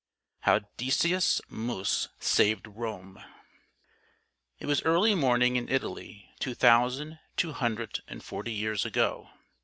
HOW DECIUS MUS SAVED ROME It was early morning in Italy two thousand, two hundred, and forty years ago.